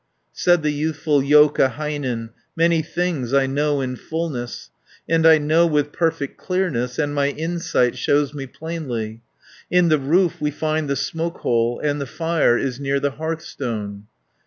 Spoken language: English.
Said the youthful Joukahainen, "Many things I know in fulness, And I know with perfect clearness, And my insight shows me plainly, 150 In the roof we find the smoke hole, And the fire is near the hearthstone.